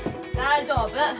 大丈夫。